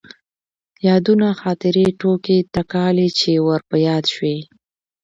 يادونه ،خاطرې، ټوکې تکالې چې ور په ياد شوي.